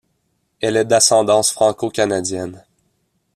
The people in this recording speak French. Elle est d'ascendance franco-canadienne.